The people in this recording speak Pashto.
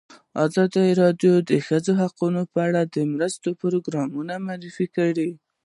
ازادي راډیو د د ښځو حقونه لپاره د مرستو پروګرامونه معرفي کړي.